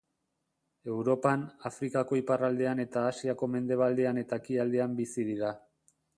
Europan, Afrikako iparraldean eta Asiako mendebaldean eta ekialdean bizi dira.